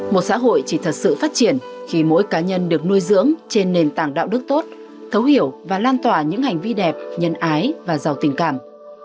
một xã hội chỉ thật sự phát triển khi mỗi cá nhân được nuôi dưỡng trên nền tảng đạo đức tốt thấu hiểu và lan tỏa những hành vi đẹp nhân ái và giàu tình cảm